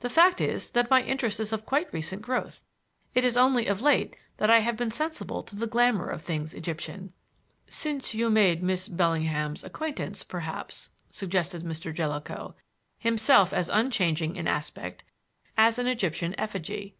The fact is that my interest is of quite recent growth. It is only of late that I have been sensible of the glamor of things Egyptian." "Since you made Miss Bellingham's acquaintance, perhaps?" suggested Mr. Jellicoe, himself as unchanging in aspect as an Egyptian effigy.